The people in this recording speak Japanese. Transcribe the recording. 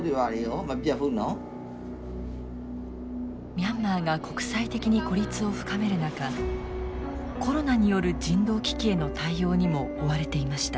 ミャンマーが国際的に孤立を深める中コロナによる人道危機への対応にも追われていました。